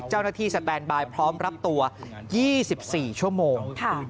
เจ้าหน้าที่สแตนไบพร้อมรับตัว๒๔ชั่วโมง